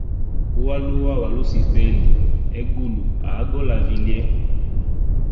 Ualua wa lusifeli, egulu a agole a vilye.